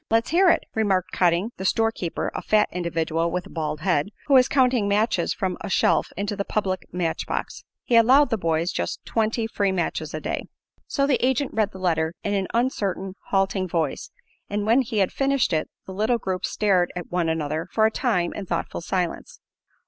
"Let's hear it," remarked Cotting, the store keeper, a fat individual with a bald head, who was counting matches from a shelf into the public match box. He allowed "the boys" just twenty free matches a day. So the agent read the letter in an uncertain halting voice, and when he had finished it the little group stared at one another for a time in thoughtful silence.